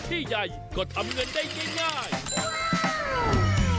กระต่ายน่ารักเหล่านี้ไม่ได้เลี้ยงไว้ดูแล้วเล่นนะครับ